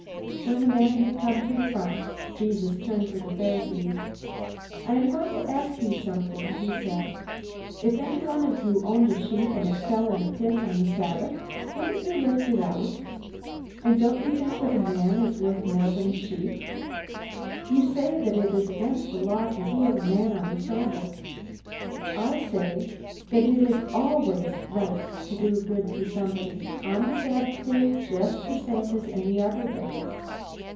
When the man had come to the front, Jesus turned to the Pharisees. "I am going to ask you something," he said. "If any one of you owned a sheep, and it fell into a pit on the Sabbath, wouldn't you lift it out? And don't you think that a man is worth more than a sheep? You say that it is against the Law to heal a man on the Sabbath. I say that it is always right to do good to somebody, on the Sabbath just the same as any other day!"